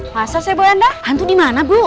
masa sebuah ini hantu di mana bu